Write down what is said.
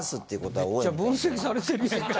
めっちゃ分析されてるやん。